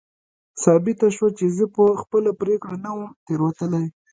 ثابته شوه چې زه په خپله پرېکړه نه وم تېروتلی.